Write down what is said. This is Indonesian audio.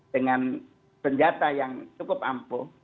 dengan senjata yang cukup ampuh